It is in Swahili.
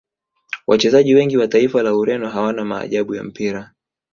wachezaji wengi wa taifa la Ureno hawana maajabu ya mpira